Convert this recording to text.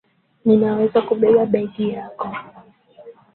Ninaweza kubeba begi yako